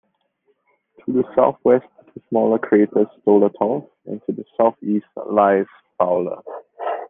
To the southwest is the smaller crater Stoletov, and to the southeast lies Fowler.